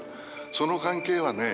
その関係はね